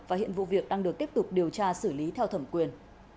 và hiện vụ việc đang được tiếp tục điều tra xử lý theo thẩm quyền